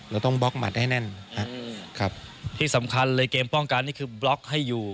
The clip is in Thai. เราต้องบล็อกหมัดให้แน่นครับที่สำคัญเลยเกมป้องกันนี่คือบล็อกให้อยู่